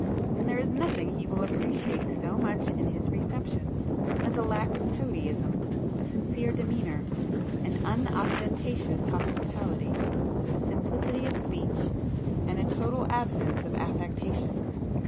And there is nothing he will appreciate so much in his reception as a lack of toadyism, a sincere demeanour, an unostentatious hospitality, a simplicity of speech, and a total absence of affectation.